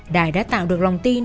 đài đã tạo được lòng tin